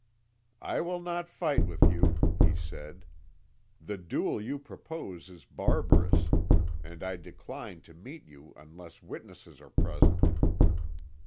"'I will not fight with you,' he said; 'the duel you propose is barbarous, and I decline to meet you unless witnesses are present.'